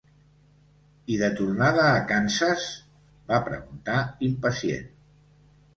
I de tornada a Kansas?", va preguntar, impacient.